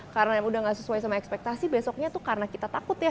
karena udah gak sesuai sama ekspektasi besoknya tuh karena kita takut ya